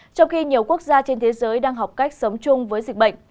trong khi nhiều quốc gia trên thế giới đang học cách sống chung với dịch bệnh